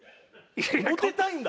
モテたいんだ？